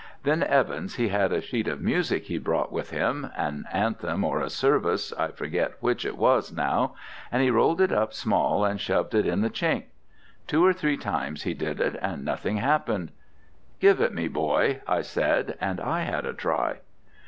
Then Evans he had a sheet of music he'd brought with him, an anthem or a service, I forget which it was now, and he rolled it up small and shoved it in the chink; two or three times he did it, and nothing happened. 'Give it me, boy,' I said, and I had a try.